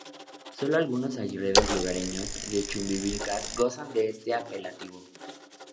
Solo algunos aguerridos lugareños de Chumbivilcas gozan de este apelativo.